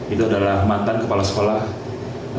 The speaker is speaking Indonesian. itu adalah mantan kepala sekolah sma tiga